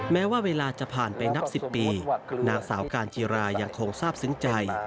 แม้ว่าเวลาจะผ่านไปนับ๑๐ปีนางสาวการจีรายังคงทราบซึ้งใจ